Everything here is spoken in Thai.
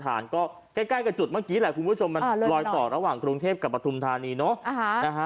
ฐานก็ใกล้กับจุดเมื่อกี้แหละคุณผู้ชมมันลอยต่อระหว่างกรุงเทพกับปฐุมธานีเนอะนะฮะ